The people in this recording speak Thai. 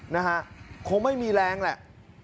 นะฮะคงไม่มีแรงแหละ